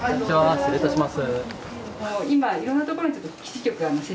失礼いたします。